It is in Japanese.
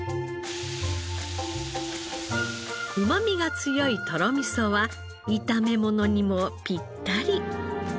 うまみが強いとろみそは炒め物にもピッタリ。